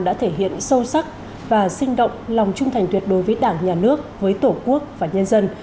đã thể hiện sâu sắc và sinh động lòng trung thành tuyệt đối với đảng nhà nước với tổ quốc và nhân dân